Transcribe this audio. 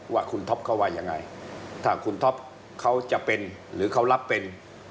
ว่าคุณท็อปเขาว่ายังไงถ้าคุณท็อปเขาจะเป็นหรือเขารับเป็น